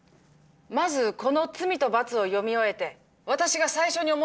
まずこの「罪と罰」を読み終えて私が最初に思った事は。